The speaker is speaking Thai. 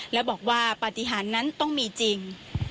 และบอกว่าปฏิหารนั้นต้องมีจริง